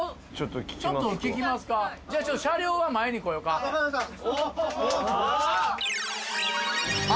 ちょっと聞きますかじゃあ車両は前に来ようかわかりました！